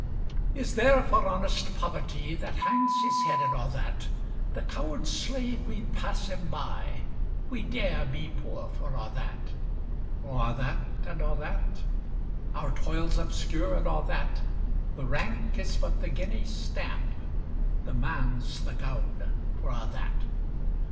Is there, for honest poverty, That hangs his head, and a' that? The coward slave, we pass him by, We dare be poor for a' that! For a' that, and a' that, Our toils obscure, and a' that; The rank is but the guinea stamp; The man's the gowd for a' that.